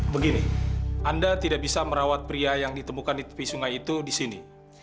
begini anda tidak bisa merawat pria yang ditemukan di tepi sungai itu di sini